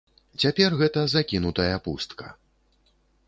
Цяпер гэта закінутая пустка.